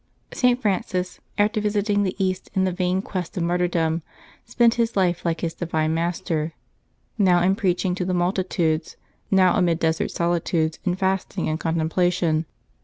St. Francis, after visiting the East in the vain quest of martyrdom, spent his life like his Divine Master — now in preaching to the multitudes, now amid desert solitudes in fasting and contemplation.